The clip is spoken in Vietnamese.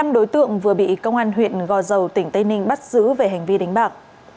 năm đối tượng vừa bị công an huyện gò dầu tỉnh tây ninh bắt giữ về hành vi đánh bạc